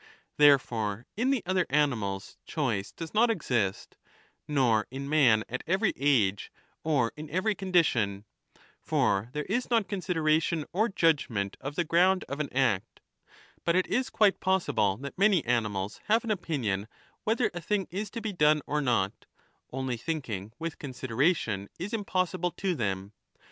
Therefore in the other animals choice does not exist, nor in man at every age or in every condition ; for there is not consideration or judgement of the ground of an act; but^^t is quite possible that many animals have an opinion whether a thing is to be 25 done or not ; only thinking with consideration is impossible to them.>